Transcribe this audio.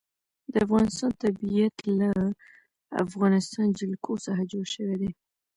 د افغانستان طبیعت له د افغانستان جلکو څخه جوړ شوی دی.